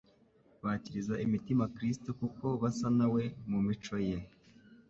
Bakiriza imitima Kristo kuko basa na we mu mico ye.